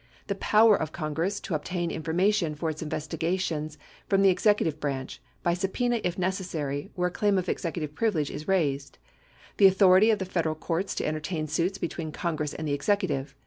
The power of Congress to obtain information for its inves tigations from the executive branch, by subpena if necessary, where a claim of executive privilege is raised. The authority of the Federal courts to entertain suits between Congress and the executive.